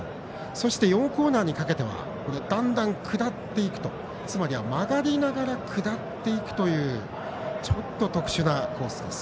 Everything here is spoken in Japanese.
そして、４コーナーにかけてはだんだん下っていくとつまりは曲がりながら下っていくというちょっと特殊なコースです。